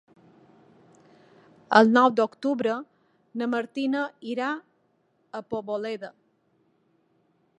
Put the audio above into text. El nou d'octubre na Martina irà a Poboleda.